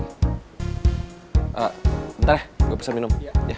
bentar ya gue pesan minum